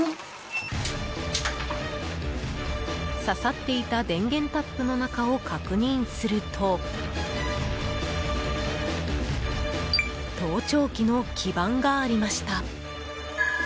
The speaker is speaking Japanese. ささっていた電源タップの中を確認すると盗聴器の基盤がありました。